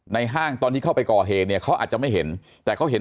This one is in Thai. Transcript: ห้างตอนที่เข้าไปก่อเหตุเนี่ยเขาอาจจะไม่เห็นแต่เขาเห็น